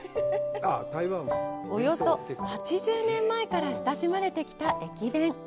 およそ８０年前から親しまれてきた駅弁。